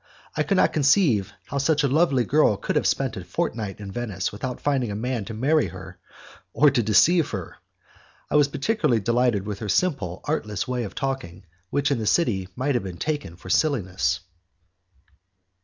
I could not conceive how such a lovely girl could have spent a fortnight in Venice without finding a man to marry or to deceive her. I was particularly delighted with her simple, artless way of talking, which in the city might have been taken for silliness.